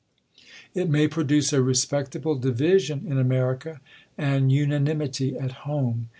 It may produce a respectable division in America, and una nimity at home.